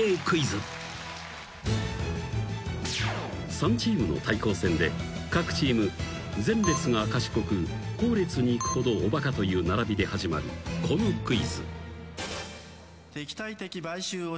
［３チームの対抗戦で各チーム前列が賢く後列にいくほどおバカという並びで始まるこのクイズ］